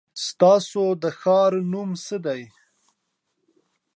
ستاسو د ښار نو څه دی ؟